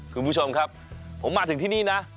คุณผู้ชมครับผมมาถึงที่นี่นะ